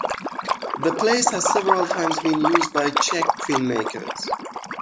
The place has several times been used by Czech filmmakers.